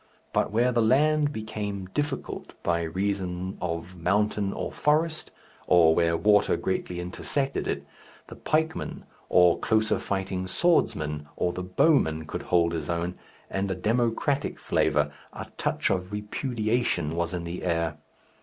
But where the land became difficult by reason of mountain or forest, or where water greatly intersected it, the pikeman or closer fighting swordsman or the bowman could hold his own, and a democratic flavour, a touch of repudiation, was in the air.